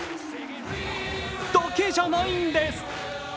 だけじゃないんです。